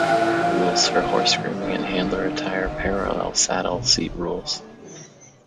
Rules for horse grooming and handler attire parallel saddle seat rules.